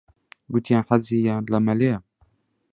گوتیان حەزیان لە مەلەیە.